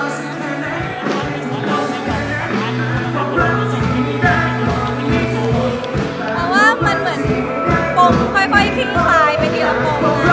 เพราะว่ามันเหมือนโปรงค่อยขึ้นขายไปดีกว่าโปรงนะ